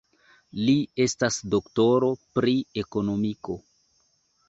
Li estas doktoro pri ekonomiko.